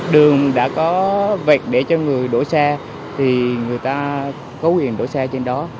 đường đã có vẹt để cho người đổ xe thì người ta có quyền đổ xe trên đó